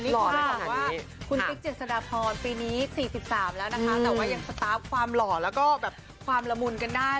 สำหรับว่าคุณติ๊กเจียดสนาพรปีนี้๔๓แล้วนะคะแต่ว่ายังสตาปความหล่อแล้วก็ความละมุนกันได้